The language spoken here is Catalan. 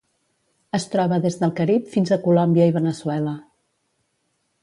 Es troba des del Carib fins a Colòmbia i Veneçuela.